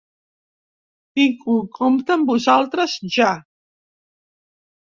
Tinc un compte amb vosaltres ja.